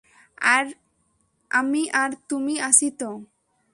আমি আর তুমি আছি তো।